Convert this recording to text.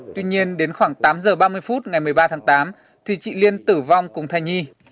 tuy nhiên đến khoảng tám giờ ba mươi phút ngày một mươi ba tháng tám thì chị liên tử vong cùng thai nhi